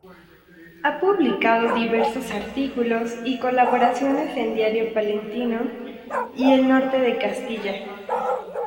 Ha publicado diversos artículos y colaboraciones en Diario Palentino y "El Norte de Castilla".